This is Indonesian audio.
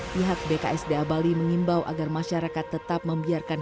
pihak bksda bali mengimbau agar masyarakat tetap membiarkan